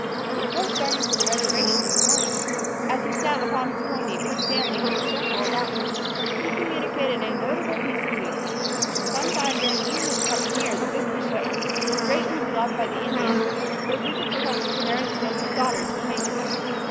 Before starting for the reservation in the morning, as he sat upon his pony with the family in a circle about him, he communicated a notable piece of news. Some time during June of the coming year the good bishop, who was greatly beloved by the Indians, would visit the post to marry the general's daughter to the major.